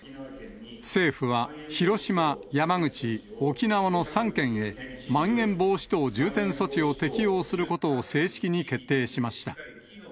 政府は、広島、山口、沖縄の３県へ、まん延防止等重点措置を適用することを正式に決定しました。